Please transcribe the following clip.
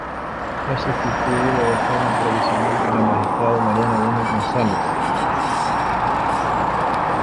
Fue sustituido de forma provisional por el magistrado Mariano Gómez González.